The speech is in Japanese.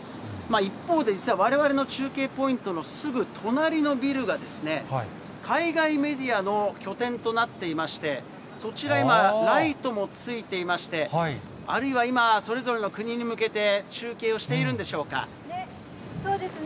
一方で、実はわれわれの中継ポイントのすぐ隣のビルが、海外メディアの拠点となっていまして、そちら今、ライトもついていまして、あるいは今、それぞれの国に向けて、中継をしているんそうですね。